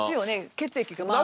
血液が回るから。